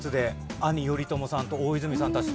兄頼朝さんと大泉さんたちと。